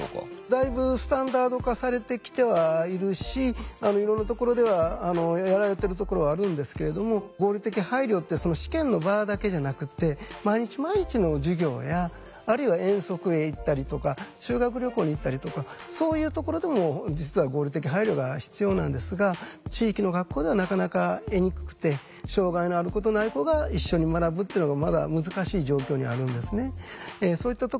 だいぶスタンダード化されてきてはいるしいろんなところではやられてるところはあるんですけれども合理的配慮って試験の場だけじゃなくって毎日毎日の授業やあるいは遠足へ行ったりとか修学旅行に行ったりとかそういうところでも実は合理的配慮が必要なんですが地域の学校ではなかなか得にくくて障害のある子とない子が一緒に学ぶってのがまだ難しい状況にあるんですね。